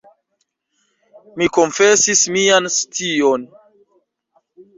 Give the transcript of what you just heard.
Mi konfesis mian scion.